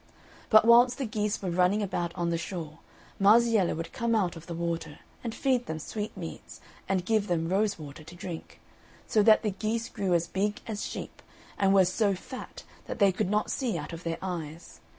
But whilst the geese were running about on the shore, Marziella would come out of the water, and feed them with sweetmeats, and give them rose water to drink; so that the geese grew as big as sheep, and were so fat that they could not see out of their eyes.